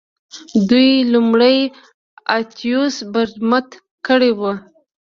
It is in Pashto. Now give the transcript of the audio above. دوی لومړی اتیوس برمته کړی و